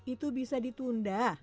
itu bisa ditunda